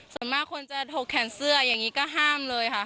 ส่วนมากคนจะถกแขนเสื้ออย่างนี้ก็ห้ามเลยค่ะ